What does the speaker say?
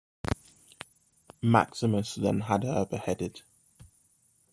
Maximus then had her beheaded.